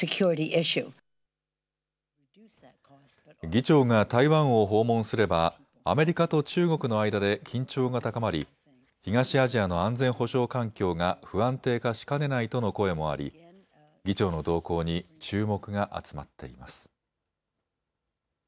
議長が台湾を訪問すればアメリカと中国の間で緊張が高まり東アジアの安全保障環境が不安定化しかねないとの声もあり議長の動向に注目が集まっています。